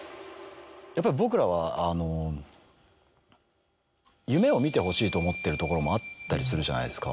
やっぱり僕らは。と思ってるところもあったりするじゃないですか。